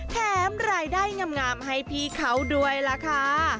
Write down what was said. แถมรายได้งามให้พี่เขาด้วยล่ะค่ะ